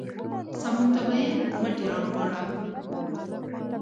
سمون ته به يې مټې رانغاړم.